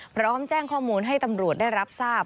พร้อมแจ้งข้อมูลให้ตำรวจได้รับทราบ